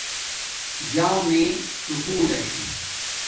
جامیے سکُول لشو